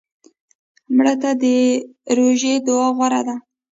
مړه ته د روژې دعا غوره ده